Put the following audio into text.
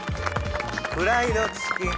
フライドチキン。